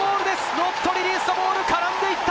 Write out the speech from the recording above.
ノットリリースザボール、絡んでいった！